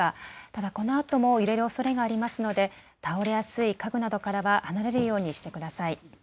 ただこのあとも揺れるおそれがありますので倒れやすい家具などからは離れるようにしてください。